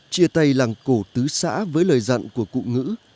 chia tay làng cổ tứ xã với lời dặn của cụ ngữ